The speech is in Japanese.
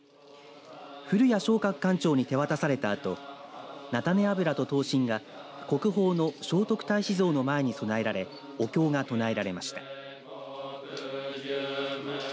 古谷正覚管長に手渡されたあと菜種油と灯芯が国宝の聖徳太子像の前に供えられお経が唱えられました。